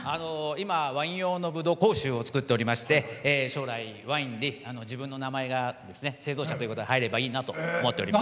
今、ワイン用のぶどう甲州を作っておりまして将来ワインで自分の名前が製造者ということで入ればと思っています。